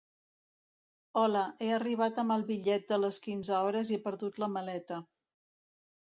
Hola, he arribat amb el bitllet de les quinze hores i he perdut la maleta.